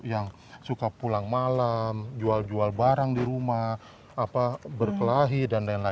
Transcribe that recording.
yang suka pulang malam jual jual barang di rumah berkelahi dll